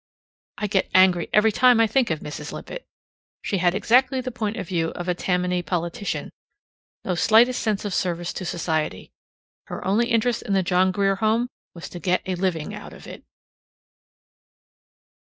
I get angry every time I think of Mrs Lippett. She had exactly the point of view of a Tammany politician no slightest sense of service to society. Her only interest in the John Grier Home was to get a living out of it.